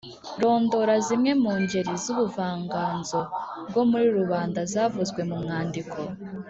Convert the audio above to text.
rondora zimwe mu ngeri z’ubuvanganzo bwo muri rubanda zavuzwe mu mwandiko.